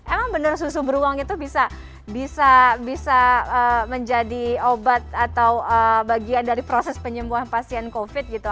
emang bener susu beruang itu bisa menjadi obat atau bagian dari proses penyembuhan pasien covid gitu